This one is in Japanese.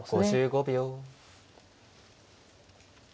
５５秒。